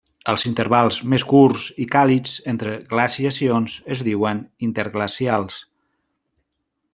Els intervals més curts i càlids entre glaciacions es diuen interglacials.